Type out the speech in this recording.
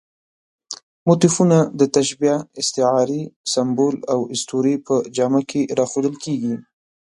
موتیفونه د تشبیه، استعارې، سمبول او اسطورې په جامه کې راښودل کېږي.